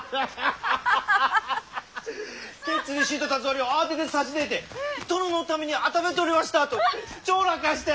ケツに敷いとった草履を慌てて差し出ぇて「殿のために温めておりましたあ！」とちょらかして！